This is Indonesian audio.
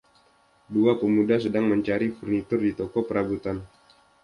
Dua pemuda sedang mencari furnitur di toko perabotan.